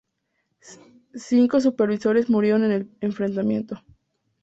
Cinco supervisores murieron en el enfrentamiento.